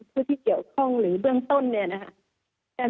ผู้ที่เกี่ยวข้องหรือเบื้องต้นเนี่ยนะคะ